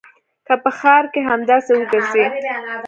که په ښار کښې همداسې وګرځې.